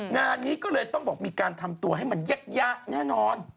งานนี้ก็เลยต้องบอกมีการทำตัวให้มันเยอะแน่นอน